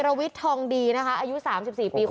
เพราะถูกทำร้ายเหมือนการบาดเจ็บเนื้อตัวมีแผลถลอก